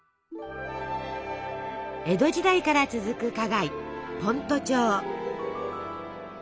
江戸時代から続く花街先斗町。